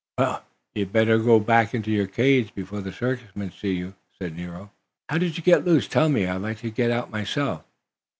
"Well, you'd better go back into your cage before the circus men see you," said Nero. "How did you get loose? Tell me? I'd like to get out myself."